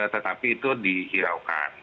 tetapi itu dihiraukan